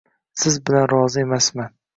Siz bilan rozi emasman.